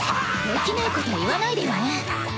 できないこと言わないでよね！